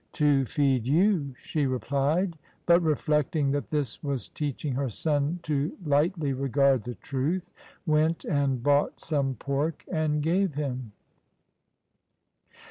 "To feed you," she replied ; but reflecting that this was teaching her son to lightly regard the truth, went and bought some pork and gave him.